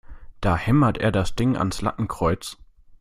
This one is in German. Da hämmert er das Ding ans Lattenkreuz!